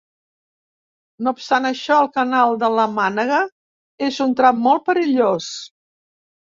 No obstant això, el Canal de la Mànega és un tram molt perillós.